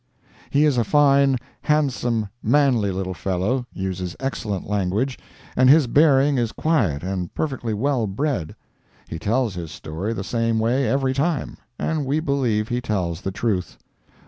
He is a fine, handsome, manly little fellow, uses excellent language, and his bearing is quiet and perfectly well bred. He tells his story the same way every time, and we believe he tells the truth.